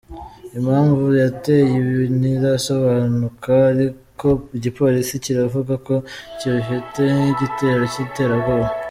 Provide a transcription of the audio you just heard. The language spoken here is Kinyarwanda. Impamvu yateye ibi ntirasobanuka ariko igipolisi kiravuga ko kibifata nk'igitero cy'iterabwoba.